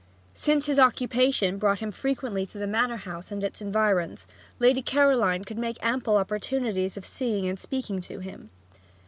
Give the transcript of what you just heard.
Since his occupation brought him frequently to the manor house and its environs, Lady Caroline could make ample opportunities of seeing and speaking to him.